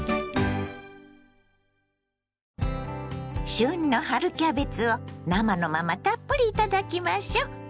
旬の春キャベツを生のままたっぷりいただきましょ。